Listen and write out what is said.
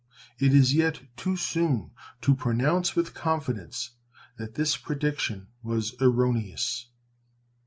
It is yet too soon to pronounce with confidence that this prediction was erroneous.